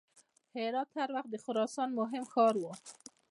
هرات هر وخت د خراسان مهم ښار و.